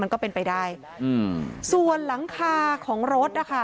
ก็เป็นไปได้อืมส่วนหลังคาของรถนะคะ